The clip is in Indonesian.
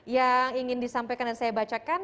yang ingin disampaikan dan saya bacakan